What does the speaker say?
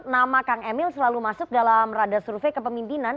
nama kang emil selalu masuk dalam rada survei kepemimpinan